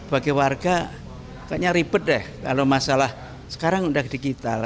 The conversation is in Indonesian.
bagi warga kayaknya ribet deh kalau masalah sekarang udah digital